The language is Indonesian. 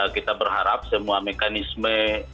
kita berharap semua mekanisme